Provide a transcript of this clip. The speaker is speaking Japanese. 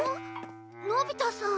のび太さん。